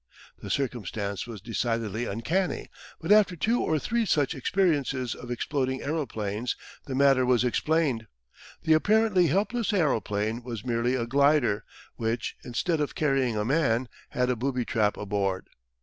The circumstance was decidedly uncanny, but after two or three such experiences of exploding aeroplanes the matter was explained. The apparently helpless aeroplane was merely a glider, which, instead of carrying a man, had a booby trap aboard.